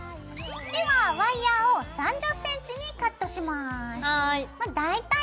ではワイヤーを３０ｃｍにカットします。